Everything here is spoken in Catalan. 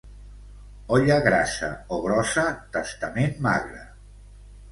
Olla grassa o grossa, testament magre.